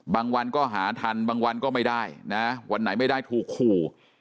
บางวันก็หาทันบางวันก็ไม่ได้นะวันไหนไม่ได้ถูกขู่